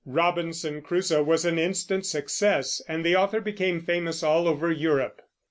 Robinson Crusoe was an instant success, and the author became famous all over Europe.